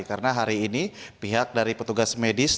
karena hari ini pihak dari petugas medis